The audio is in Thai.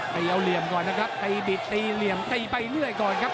ตีเอาเหลี่ยมก่อนนะครับตีบิดตีเหลี่ยมตีไปเรื่อยก่อนครับ